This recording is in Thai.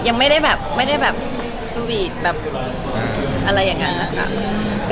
ยังไม่ได้แบบไม่ได้แบบสวีทแบบอะไรอย่างนั้นนะคะ